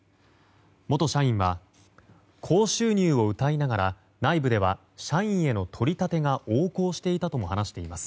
元社員は、高収入をうたいながら内部では社員への取り立てが横行していたとも話しています。